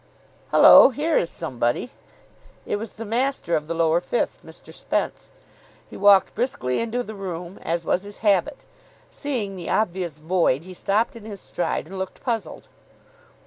"Hullo, here is somebody." It was the master of the Lower Fifth, Mr. Spence. He walked briskly into the room, as was his habit. Seeing the obvious void, he stopped in his stride, and looked puzzled.